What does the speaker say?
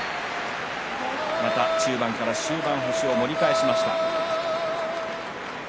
また中盤から終盤星を盛り返しました若隆景。